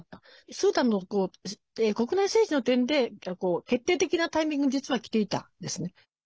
スーダンの国内政治の点で決定的なタイミングに実は、きていたんですね。